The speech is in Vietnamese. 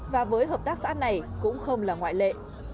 và với hợp tác xã này cũng không là ngoại lệ